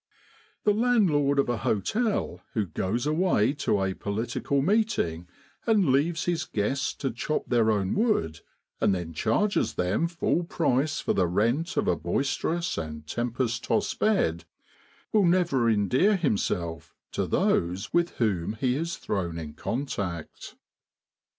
The landlord of a hotel who goes away to a political meeting and leaves his guests to chop their own wood, and then charges them full price for the rent of a boisterous and tempest tossed bed, will never endear himself to those with whom he is thrown in contact.